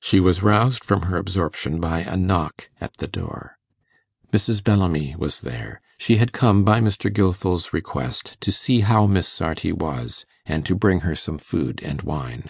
She was roused from her absorption by a knock at the door. Mrs. Bellamy was there. She had come by Mr. Gilfil's request to see how Miss Sarti was, and to bring her some food and wine.